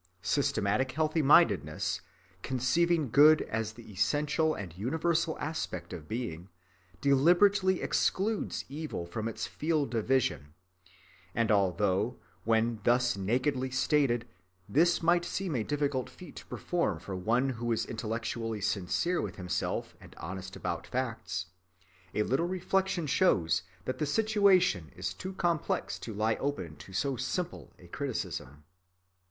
Systematic healthy‐mindedness, conceiving good as the essential and universal aspect of being, deliberately excludes evil from its field of vision; and although, when thus nakedly stated, this might seem a difficult feat to perform for one who is intellectually sincere with himself and honest about facts, a little reflection shows that the situation is too complex to lie open to so simple a criticism.